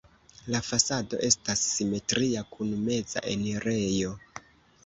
La fasado estas simetria kun meza enirejo.